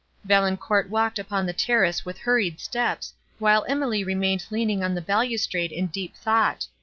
Valancourt walked upon the terrace with hurried steps, while Emily remained leaning on the balustrade in deep thought.